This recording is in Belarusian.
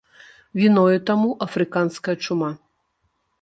Віною таму афрыканская чума.